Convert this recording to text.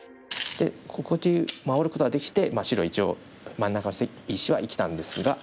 でこっち回ることができて白は一応真ん中の石は生きたんですが。